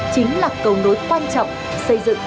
chính là cầu nối quan trọng xây dựng